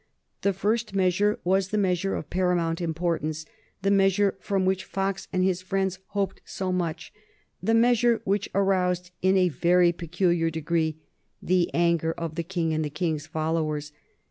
The first measure was the measure of paramount importance, the measure from which Fox and his friends hoped so much, the measure which aroused in a very peculiar degree the anger of the King and of the King's followers.